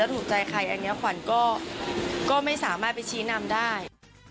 อันนี้ขวานก็ไม่สามารถไปชี้นำได้